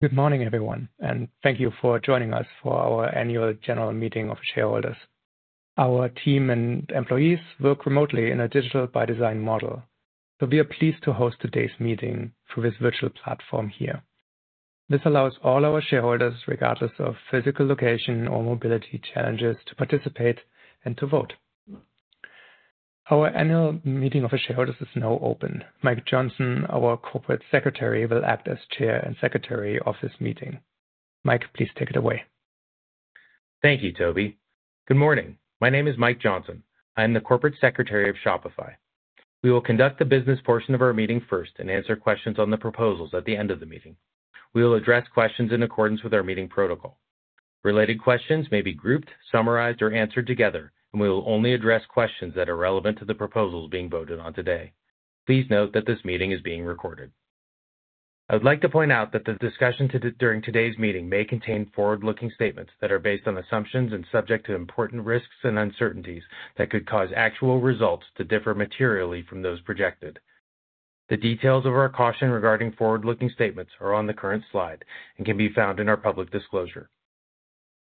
Good morning, everyone, and thank you for joining us for our Annual General Meeting of Shareholders. Our team and employees work remotely in a Digital by Design model, so we are pleased to host today's meeting through this virtual platform here. This allows all our shareholders, regardless of physical location or mobility challenges, to participate and to vote. Our annual meeting of the shareholders is now open. Mike Johnson, our Corporate Secretary, will act as Chair and Secretary of this meeting. Mike, please take it away. Thank you, Tobi. Good morning. My name is Mike Johnson. I'm the Corporate Secretary of Shopify. We will conduct the business portion of our meeting first and answer questions on the proposals at the end of the meeting. We will address questions in accordance with our meeting protocol. Related questions may be grouped, summarized, or answered together, and we will only address questions that are relevant to the proposals being voted on today. Please note that this meeting is being recorded. I would like to point out that the discussion during today's meeting may contain forward-looking statements that are based on assumptions and subject to important risks and uncertainties that could cause actual results to differ materially from those projected. The details of our caution regarding forward-looking statements are on the current slide and can be found in our public disclosure.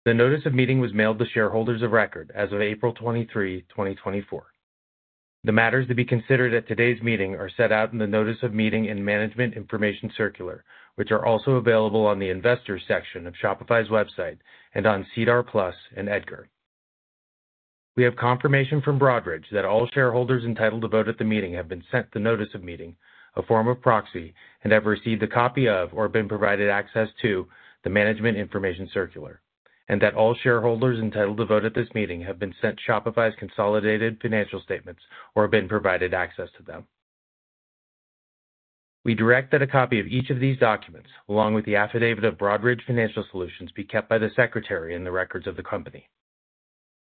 The Notice of Meeting was mailed to shareholders of record as of April 23, 2024. The matters to be considered at today's meeting are set out in the Notice of Meeting and Management Information Circular, which are also available on the Investors section of Shopify's website and on SEDAR+ and EDGAR. We have confirmation from Broadridge that all shareholders entitled to vote at the meeting have been sent the Notice of Meeting, a form of proxy, and have received a copy of, or been provided access to the Management Information Circular, and that all shareholders entitled to vote at this meeting have been sent Shopify's consolidated financial statements or been provided access to them. We direct that a copy of each of these documents, along with the Affidavit of Broadridge Financial Solutions, be kept by the Secretary in the records of the company.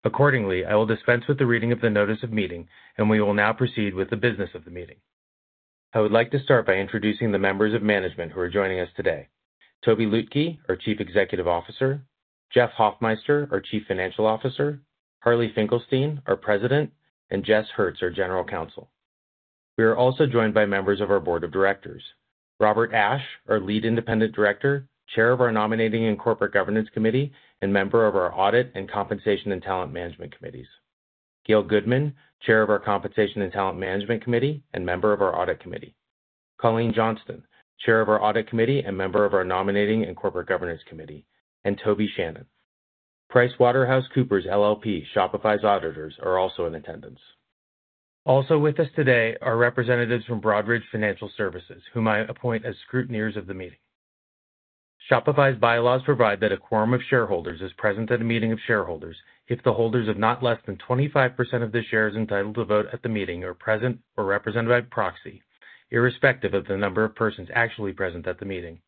Accordingly, I will dispense with the reading of the Notice of Meeting, and we will now proceed with the business of the meeting. I would like to start by introducing the members of management who are joining us today. Tobi Lütke, our Chief Executive Officer, Jeff Hoffmeister, our Chief Financial Officer, Harley Finkelstein, our President, and Jess Hertz, our General Counsel. We are also joined by members of our Board of Directors. Robert Ashe, our Lead Independent Director, Chair of our Nominating and Corporate Governance Committee, and member of our Audit and Compensation and Talent Management Committees. Gail Goodman, Chair of our Compensation and Talent Management Committee, and member of our Audit Committee. Colleen Johnston, Chair of our Audit Committee, and member of our Nominating and Corporate Governance Committee, and Toby Shannan. PricewaterhouseCoopers LLP, Shopify's auditors, are also in attendance. Also with us today are representatives from Broadridge Financial Solutions, whom I appoint as scrutineers of the meeting. Shopify's bylaws provide that a quorum of shareholders is present at a meeting of shareholders if the holders of not less than 25% of the shares entitled to vote at the meeting are present or represented by proxy, irrespective of the number of persons actually present at the meeting.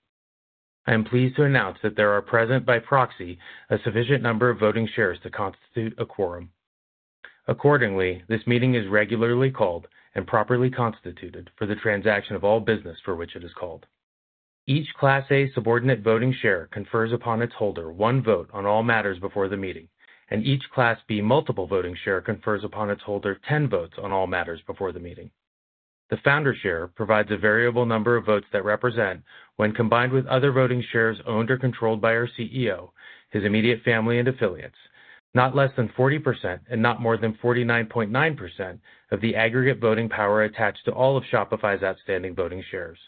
I am pleased to announce that there are present by proxy a sufficient number of voting shares to constitute a quorum. Accordingly, this meeting is regularly called and properly constituted for the transaction of all business for which it is called. Each Class A subordinate voting share confers upon its holder one vote on all matters before the meeting, and each Class B multiple voting share confers upon its holder 10 votes on all matters before the meeting. The founder share provides a variable number of votes that represent, when combined with other voting shares owned or controlled by our CEO, his immediate family and affiliates, not less than 40% and not more than 49.9% of the aggregate voting power attached to all of Shopify's outstanding voting shares.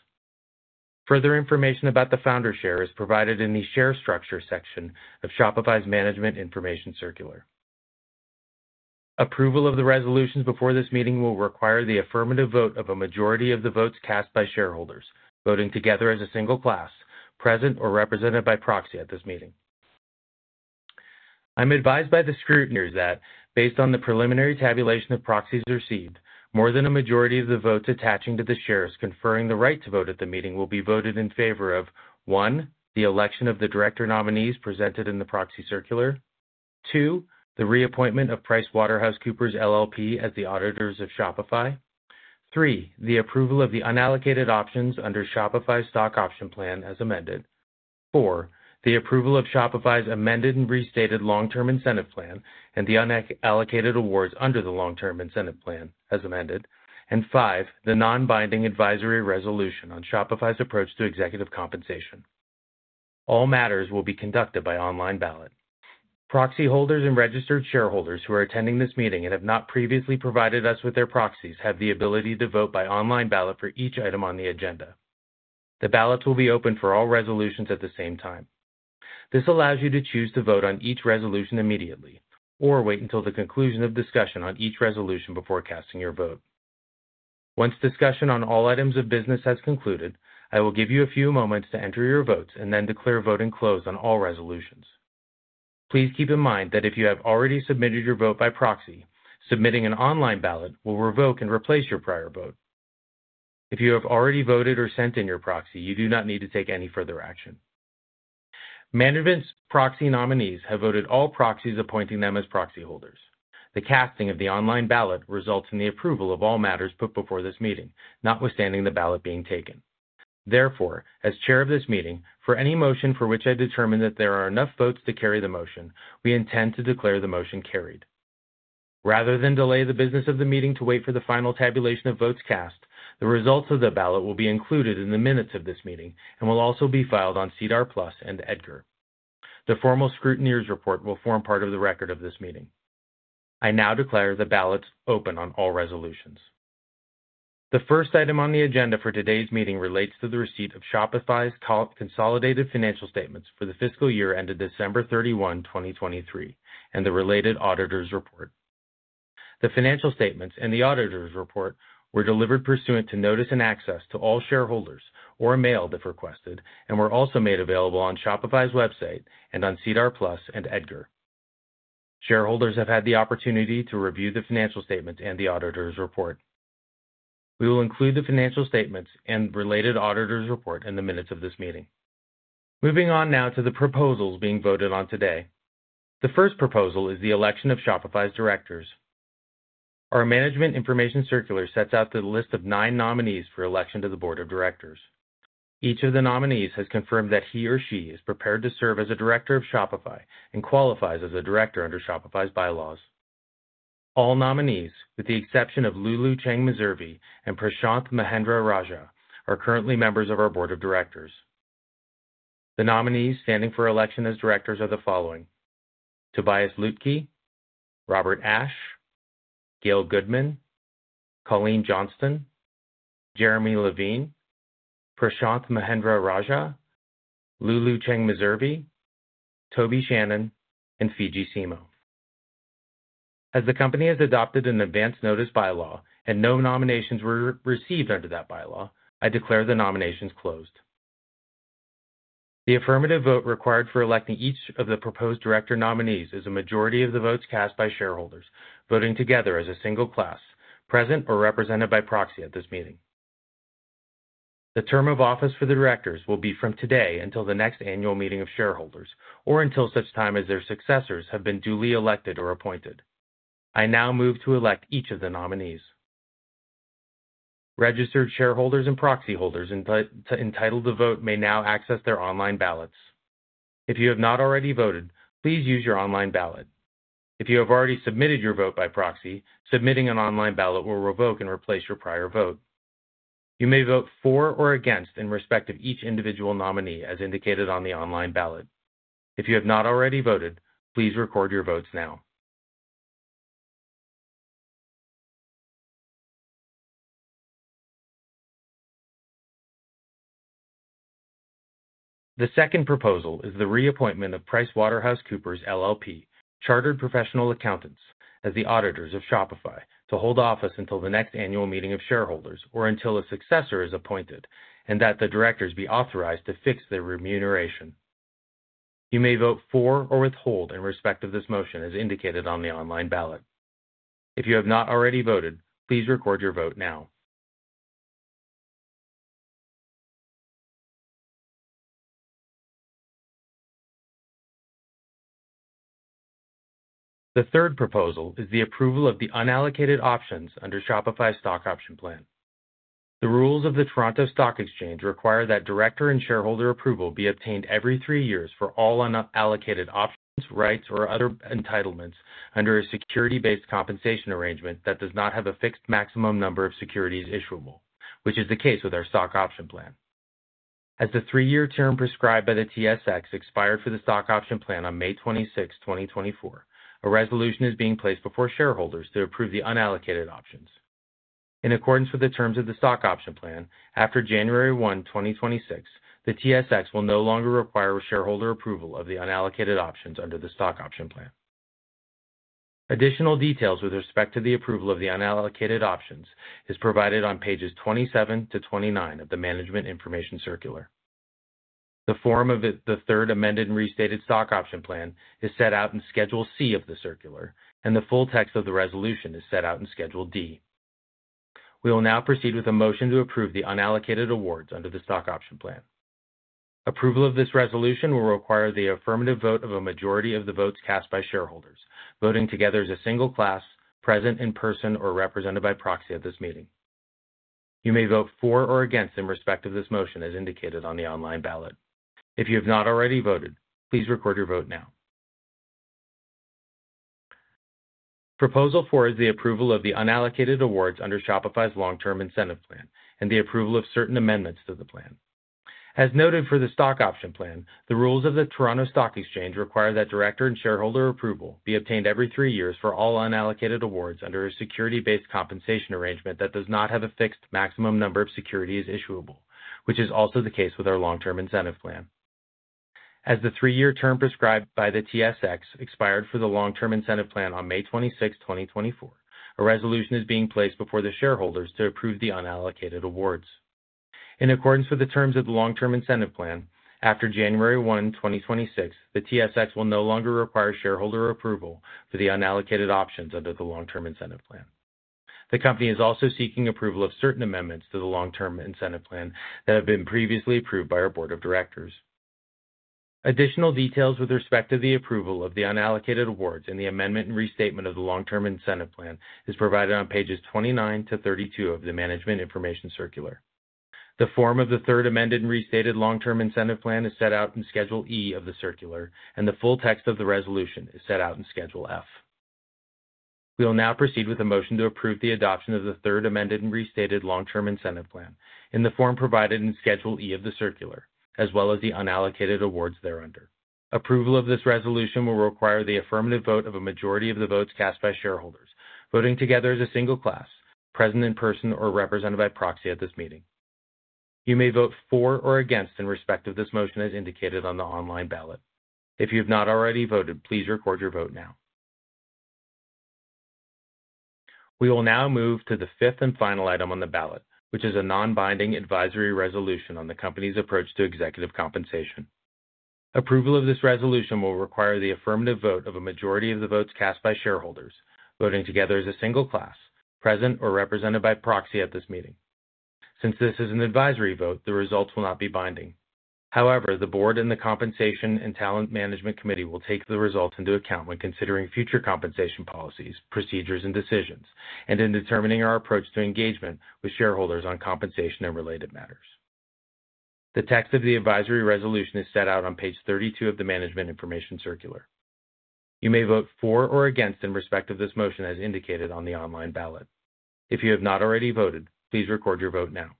Further information about the founder share is provided in the Share Structure section of Shopify's Management Information Circular. Approval of the resolutions before this meeting will require the affirmative vote of a majority of the votes cast by shareholders, voting together as a single class, present or represented by proxy at this meeting. I'm advised by the scrutineers that based on the preliminary tabulation of proxies received, more than a majority of the votes attaching to the shares conferring the right to vote at the meeting will be voted in favor of, one, the election of the director nominees presented in the proxy circular, two, the reappointment of PricewaterhouseCoopers LLP as the auditors of Shopify, three, the approval of the unallocated options under Shopify's Stock Option Plan as amended, four, the approval of Shopify's amended and restated long-term incentive plan and the unallocated awards under the long-term incentive plan, as amended, and five, the non-binding advisory resolution on Shopify's approach to executive compensation. All matters will be conducted by online ballot. Proxy holders and registered shareholders who are attending this meeting and have not previously provided us with their proxies have the ability to vote by online ballot for each item on the agenda. The ballots will be open for all resolutions at the same time. This allows you to choose to vote on each resolution immediately or wait until the conclusion of discussion on each resolution before casting your vote. Once discussion on all items of business has concluded, I will give you a few moments to enter your votes and then declare voting closed on all resolutions. Please keep in mind that if you have already submitted your vote by proxy, submitting an online ballot will revoke and replace your prior vote. If you have already voted or sent in your proxy, you do not need to take any further action. Management's proxy nominees have voted all proxies appointing them as proxy holders. The casting of the online ballot results in the approval of all matters put before this meeting, notwithstanding the ballot being taken. Therefore, as Chair of this meeting, for any motion for which I determine that there are enough votes to carry the motion, we intend to declare the motion carried. Rather than delay the business of the meeting to wait for the final tabulation of votes cast, the results of the ballot will be included in the minutes of this meeting and will also be filed on SEDAR+ and EDGAR. The formal scrutineers' report will form part of the record of this meeting. I now declare the ballots open on all resolutions. The first item on the agenda for today's meeting relates to the receipt of Shopify's Consolidated Financial Statements for the fiscal year ended December 31, 2023, and the related auditor's report. The financial statements and the auditor's report were delivered pursuant to notice and access to all shareholders or mailed if requested, and were also made available on Shopify's website and on SEDAR+ and EDGAR. Shareholders have had the opportunity to review the financial statements and the auditor's report. We will include the financial statements and related auditor's report in the minutes of this meeting. Moving on now to the proposals being voted on today. The first proposal is the Election of Shopify's Directors. Our management information circular sets out the list of nine nominees for election to the Board of Directors. Each of the nominees has confirmed that he or she is prepared to serve as a director of Shopify and qualifies as a director under Shopify's bylaws. All nominees, with the exception of Lulu Cheng Meservey and Prashanth Mahendra-Rajah, are currently members of our board of directors. The nominees standing for election as directors are the following: Tobias Lütke, Robert Ashe, Gail Goodman, Colleen Johnston, Jeremy Levine, Prashanth Mahendra-Rajah, Lulu Cheng Meservey, Toby Shannan, and Fidji Simo. As the company has adopted an advanced notice bylaw and no nominations were received under that bylaw, I declare the nominations closed. The affirmative vote required for electing each of the proposed director nominees is a majority of the votes cast by shareholders, voting together as a single class, present or represented by proxy at this meeting. The term of office for the directors will be from today until the next annual meeting of shareholders, or until such time as their successors have been duly elected or appointed. I now move to elect each of the nominees. Registered shareholders and proxy holders entitled to vote may now access their online ballots. If you have not already voted, please use your online ballot. If you have already submitted your vote by proxy, submitting an online ballot will revoke and replace your prior vote. You may vote for or against in respect of each individual nominee, as indicated on the online ballot. If you have not already voted, please record your votes now. The second proposal is the reappointment of PricewaterhouseCoopers LLP, Chartered Professional Accountants, as the auditors of Shopify to hold office until the next annual meeting of shareholders or until a successor is appointed, and that the directors be authorized to fix their remuneration. You may vote for or withhold in respect of this motion, as indicated on the online ballot. If you have not already voted, please record your vote now. The third proposal is the approval of the unallocated options under Shopify's Stock Option Plan. The rules of the Toronto Stock Exchange require that Director and Shareholder approval be obtained every three years for all unallocated options, rights, or other entitlements under a security-based compensation arrangement that does not have a fixed maximum number of securities issuable, which is the case with our stock option plan. As the three-year term prescribed by the TSX expired for the stock option plan on May 26, 2024, a resolution is being placed before shareholders to approve the unallocated options. In accordance with the terms of the stock option plan, after January 1, 2026, the TSX will no longer require shareholder approval of the unallocated options under the stock option plan. Additional details with respect to the approval of the unallocated options is provided on Pages 27-29 of the Management Information Circular. The form of the third amended and restated stock option plan is set out in Schedule C of the circular, and the full text of the resolution is set out in Schedule D. We will now proceed with a motion to approve the unallocated awards under the stock option plan. Approval of this resolution will require the affirmative vote of a majority of the votes cast by shareholders, voting together as a single class, present in person, or represented by proxy at this meeting. You may vote for or against in respect of this motion, as indicated on the online ballot. If you have not already voted, please record your vote now. Proposal four is the approval of the unallocated awards under Shopify's Long-Term Incentive Plan and the approval of certain amendments to the plan. As noted for the stock option plan, the rules of the Toronto Stock Exchange require that director and shareholder approval be obtained every three years for all unallocated awards under a security-based compensation arrangement that does not have a fixed maximum number of securities issuable, which is also the case with our long-term incentive plan. As the three-year term prescribed by the TSX expired for the long-term incentive plan on May 26, 2024, a resolution is being placed before the shareholders to approve the unallocated awards. In accordance with the terms of the long-term incentive plan, after January 1, 2026, the TSX will no longer require shareholder approval for the unallocated options under the long-term incentive plan. The company is also seeking approval of certain amendments to the long-term incentive plan that have been previously approved by our board of directors. Additional details with respect to the approval of the unallocated awards and the amendment and restatement of the long-term incentive plan is provided on Pages 29-32 of the Management Information Circular. The form of the third amended and restated long-term incentive plan is set out in Schedule E of the circular, and the full text of the resolution is set out in Schedule F. We will now proceed with a motion to approve the adoption of the third amended and restated long-term incentive plan in the form provided in Schedule E of the circular, as well as the unallocated awards thereunder. Approval of this resolution will require the affirmative vote of a majority of the votes cast by shareholders, voting together as a single class, present in person or represented by proxy at this meeting. You may vote for or against in respect of this motion, as indicated on the online ballot. If you have not already voted, please record your vote now. We will now move to the fifth and final item on the ballot, which is a non-binding advisory resolution on the company's approach to executive compensation. Approval of this resolution will require the affirmative vote of a majority of the votes cast by shareholders, voting together as a single class, present or represented by proxy at this meeting. Since this is an advisory vote, the results will not be binding. However, the board and the Compensation and Talent Management Committee will take the results into account when considering future compensation policies, procedures, and decisions, and in determining our approach to engagement with shareholders on compensation and related matters. The text of the advisory resolution is set out on Page 32 of the Management Information Circular. You may vote for or against in respect of this motion, as indicated on the online ballot. If you have not already voted, please record your vote now.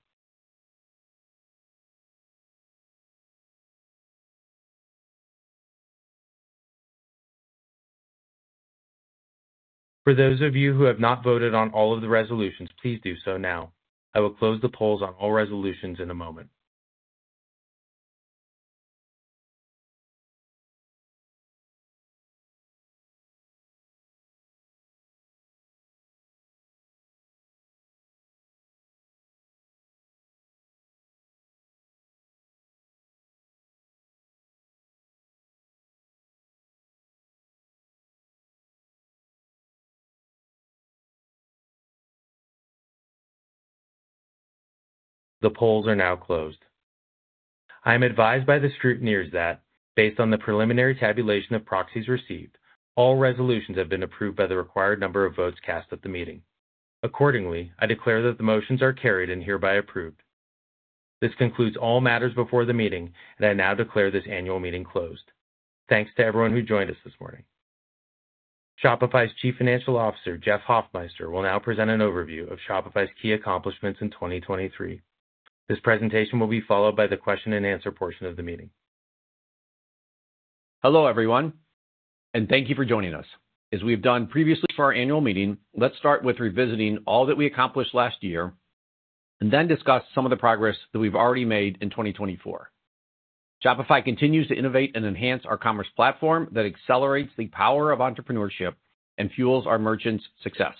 For those of you who have not voted on all of the resolutions, please do so now. I will close the polls on all resolutions in a moment. The polls are now closed. I am advised by the scrutineers that, based on the preliminary tabulation of proxies received, all resolutions have been approved by the required number of votes cast at the meeting. Accordingly, I declare that the motions are carried and hereby approved. This concludes all matters before the meeting, and I now declare this annual meeting closed. Thanks to everyone who joined us this morning. Shopify's Chief Financial Officer, Jeff Hoffmeister, will now present an overview of Shopify's key accomplishments in 2023. This presentation will be followed by the question-and-answer portion of the meeting. Hello, everyone, and thank you for joining us. As we've done previously for our annual meeting, let's start with revisiting all that we accomplished last year and then discuss some of the progress that we've already made in 2024. Shopify continues to innovate and enhance our commerce platform that accelerates the power of entrepreneurship and fuels our merchants' success.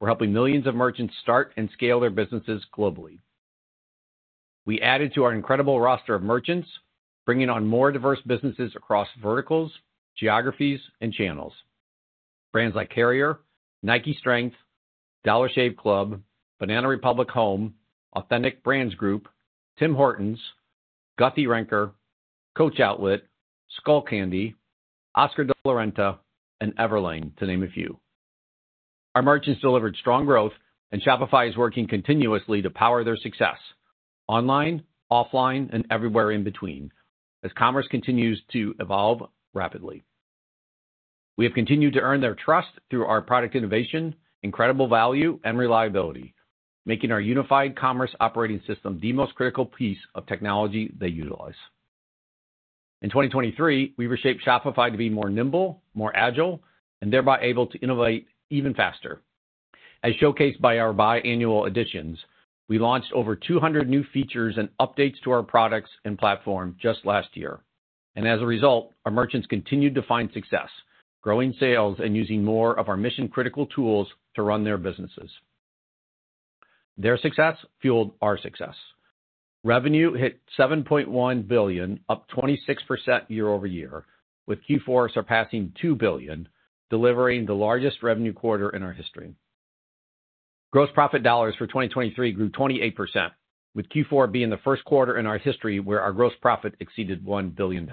We're helping millions of merchants start and scale their businesses globally. We added to our incredible roster of merchants, bringing on more diverse businesses across verticals, geographies, and channels. Brands like Carrier, Nike Strength, Dollar Shave Club, Banana Republic Home, Authentic Brands Group, Tim Hortons, Guthy-Renker, Coach Outlet, Skullcandy, Oscar de la Renta, and Everlane, to name a few. Our merchants delivered strong growth, and Shopify is working continuously to power their success online, offline, and everywhere in between, as commerce continues to evolve rapidly. We have continued to earn their trust through our product innovation, incredible value, and reliability, making our unified commerce operating system the most critical piece of technology they utilize. In 2023, we reshaped Shopify to be more nimble, more agile, and thereby able to innovate even faster. As showcased by our biannual editions, we launched over 200 new features and updates to our products and platform just last year. And as a result, our merchants continued to find success, growing sales and using more of our mission-critical tools to run their businesses. Their success fueled our success. Revenue hit $7.1 billion, up 26% year-over-year, with Q4 surpassing $2 billion, delivering the largest revenue quarter in our history. Gross profit dollars for 2023 grew 28%, with Q4 being the first quarter in our history where our gross profit exceeded $1 billion.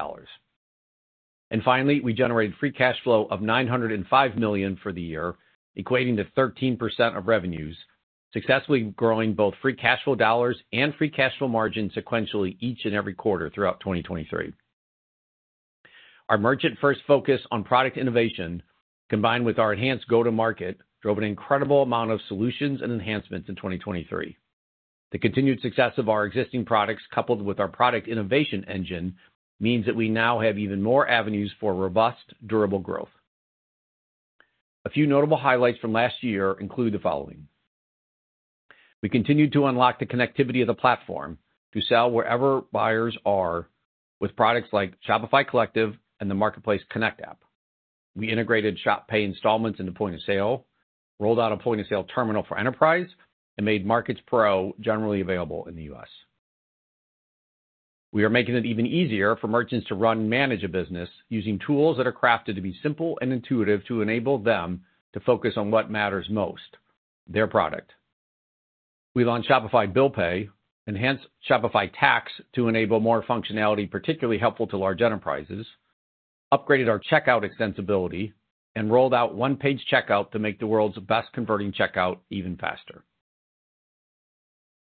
Finally, we generated free cash flow of $905 million for the year, equating to 13% of revenues, successfully growing both free cash flow dollars and free cash flow margin sequentially each and every quarter throughout 2023. Our merchant-first focus on product innovation, combined with our enhanced go-to-market, drove an incredible amount of solutions and enhancements in 2023. The continued success of our existing products, coupled with our product innovation engine, means that we now have even more avenues for robust, durable growth. A few notable highlights from last year include the following: We continued to unlock the connectivity of the platform to sell wherever buyers are with products like Shopify Collective and the Marketplace Connect app. We integrated Shop Pay Installments into point-of-sale, rolled out a point-of-sale terminal for enterprise, and made Markets Pro generally available in the U.S. We are making it even easier for merchants to run and manage a business using tools that are crafted to be simple and intuitive to enable them to focus on what matters most, their product. We launched Shopify Bill Pay, enhanced Shopify Tax to enable more functionality, particularly helpful to large enterprises, upgraded our Checkout Extensibility , and rolled out One-Page Checkout to make the world's best-converting checkout even faster.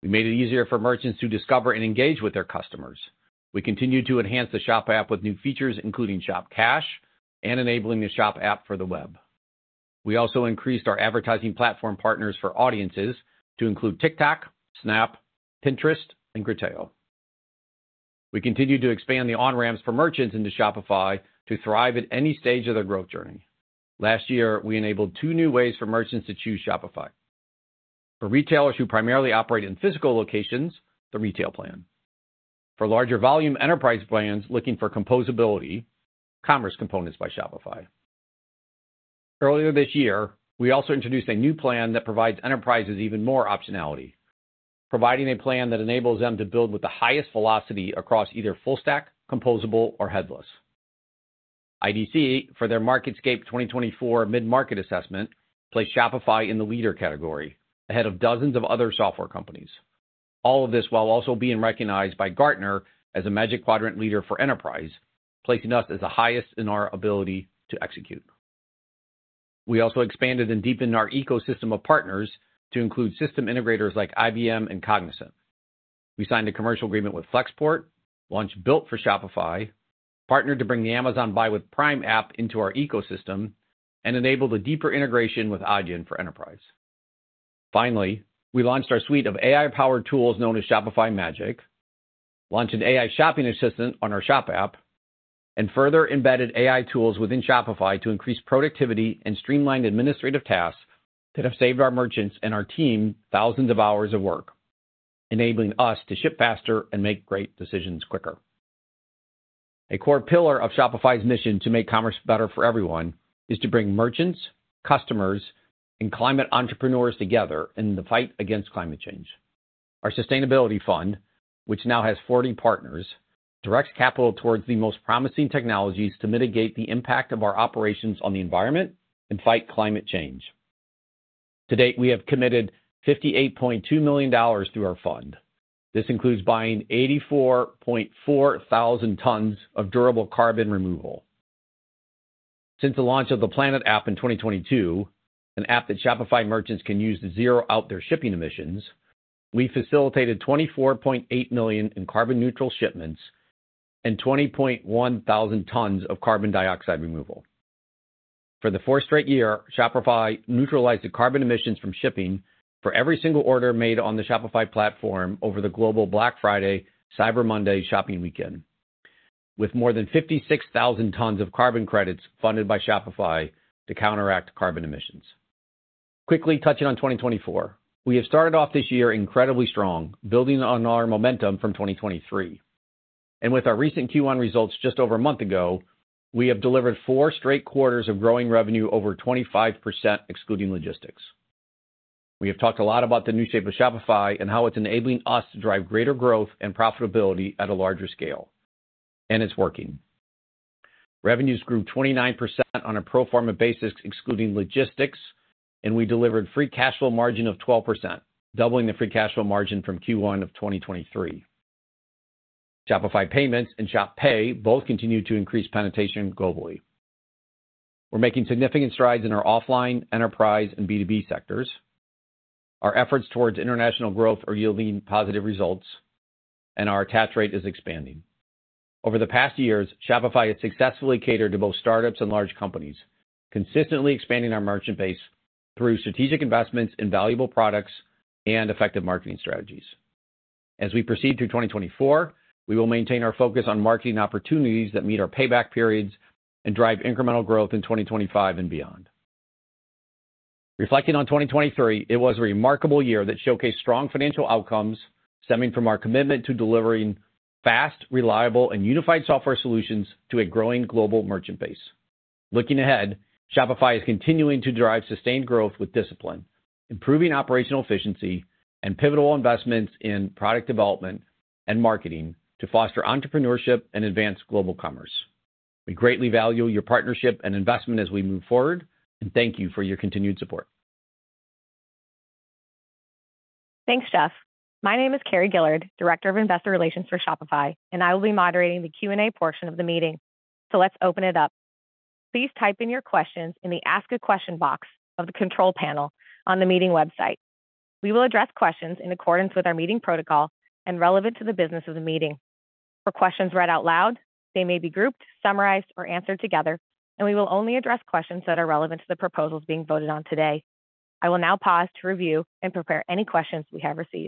We made it easier for merchants to discover and engage with their customers. We continued to enhance the Shop App with new features, including Shop Cash and enabling the Shop App for the web. We also increased our advertising platform partners for Audiences to include TikTok, Snap, Pinterest, and Criteo. We continued to expand the on-ramps for merchants into Shopify to thrive at any stage of their growth journey. Last year, we enabled two new ways for merchants to choose Shopify. For retailers who primarily operate in physical locations, the Retail Plan. For larger volume enterprise plans looking for composability, Commerce Components by Shopify. Earlier this year, we also introduced a new plan that provides enterprises even more optionality, providing a plan that enables them to build with the highest velocity across either full stack, composable, or headless. IDC, for their MarketScape 2024 Mid-Market Assessment, placed Shopify in the leader category, ahead of dozens of other software companies. All of this while also being recognized by Gartner as a Magic Quadrant leader for enterprise, placing us as the highest in our ability to execute. We also expanded and deepened our ecosystem of partners to include system integrators like IBM and Cognizant. We signed a commercial agreement with Flexport, launched Built for Shopify, partnered to bring the Amazon Buy with Prime app into our ecosystem, and enabled a deeper integration with Adyen for enterprise. Finally, we launched our suite of AI-powered tools known as Shopify Magic, launched an AI shopping assistant on our Shop app, and further embedded AI tools within Shopify to increase productivity and streamlined administrative tasks that have saved our merchants and our team thousands of hours of work, enabling us to ship faster and make great decisions quicker. A core pillar of Shopify's mission to make commerce better for everyone is to bring merchants, customers, and climate entrepreneurs together in the fight against climate change. Our sustainability fund, which now has 40 partners, directs capital towards the most promising technologies to mitigate the impact of our operations on the environment and fight climate change. To date, we have committed $58.2 million through our fund. This includes buying 84,400 tons of durable carbon removal. Since the launch of the Planet app in 2022, an app that Shopify merchants can use to zero out their shipping emissions, we facilitated 24.8 million in carbon-neutral shipments and 20,100 tons of carbon dioxide removal. For the fourth straight year, Shopify neutralized the carbon emissions from shipping for every single order made on the Shopify platform over the global Black Friday, Cyber Monday shopping weekend, with more than 56,000 tons of carbon credits funded by Shopify to counteract carbon emissions. Quickly touching on 2024. We have started off this year incredibly strong, building on our momentum from 2023. With our recent Q1 results just over a month ago, we have delivered four straight quarters of growing revenue over 25%, excluding logistics. We have talked a lot about the new shape of Shopify and how it's enabling us to drive greater growth and profitability at a larger scale, and it's working. Revenues grew 29% on a pro forma basis, excluding logistics, and we delivered free cash flow margin of 12%, doubling the free cash flow margin from Q1 of 2023. Shopify Payments and Shop Pay both continued to increase penetration globally. We're making significant strides in our offline, enterprise, and B2B sectors. Our efforts towards international growth are yielding positive results, and our attach rate is expanding. Over the past years, Shopify has successfully catered to both startups and large companies, consistently expanding our merchant base through strategic investments in valuable products and effective marketing strategies. As we proceed through 2024, we will maintain our focus on marketing opportunities that meet our payback periods and drive incremental growth in 2025 and beyond. Reflecting on 2023, it was a remarkable year that showcased strong financial outcomes stemming from our commitment to delivering fast, reliable, and unified software solutions to a growing global merchant base. Looking ahead, Shopify is continuing to drive sustained growth with discipline, improving operational efficiency, and pivotal investments in product development and marketing to foster entrepreneurship and advance global commerce. We greatly value your partnership and investment as we move forward, and thank you for your continued support. Thanks, Jeff. My name is Carrie Gillard, Director of Investor Relations for Shopify, and I will be moderating the Q&A portion of the meeting. Let's open it up. Please type in your questions in the Ask a Question box of the control panel on the meeting website. We will address questions in accordance with our meeting protocol and relevant to the business of the meeting. For questions read out loud, they may be grouped, summarized, or answered together, and we will only address questions that are relevant to the proposals being voted on today. I will now pause to review and prepare any questions we have received.